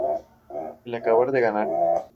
Él acaba de ganar.